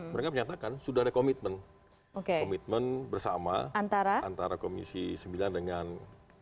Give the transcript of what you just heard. mereka menyatakan sudah ada komitmen bersama antara komisi sembilan dengan